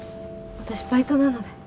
私バイトなので。